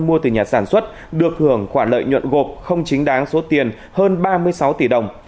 mua từ nhà sản xuất được hưởng khoản lợi nhuận gộp không chính đáng số tiền hơn ba mươi sáu tỷ đồng